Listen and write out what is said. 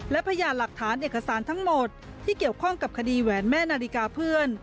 และพยานหลักฐานเอกสารทั้งหมดที่เกี่ยวข้องกับคดีแหวนแม่นาฬิกาเพื่อน